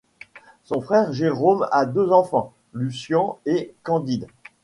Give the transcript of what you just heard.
Son frère Jérôme a deux enfants, Lucian et Candide.